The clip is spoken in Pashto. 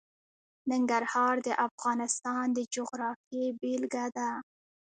ننګرهار د افغانستان د جغرافیې بېلګه ده.